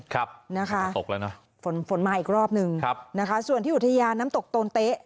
ครับฝนตกแล้วนะฝนมาอีกรอบหนึ่งส่วนที่อุทยาน้ำตกโตนเต๊ะ